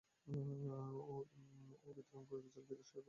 অবিতরণকৃত চাল সাত দিনের মধ্যে ফেরত দিতে তাঁদের নোটিশ দেওয়া হয়েছে।